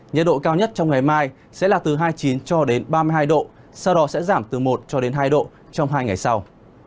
nhiệt độ cao nhất trong ngày mai sẽ là từ hai mươi chín cho đến ba mươi hai độ sau đó sẽ giảm từ một cho đến hai độ trong hai ngày sau